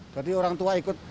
jadi orang tua ikut